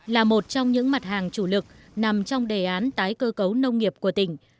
là một trong những mặt hàng chủ lực nằm trong đề án tái cơ cấu nông nghiệp của tỉnh